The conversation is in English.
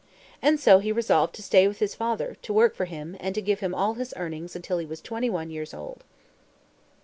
And so he resolved to stay with his father, to work for him, and to give him all his earnings until he was twenty one years old.